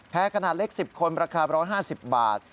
ขนาดเล็ก๑๐คนราคา๑๕๐บาท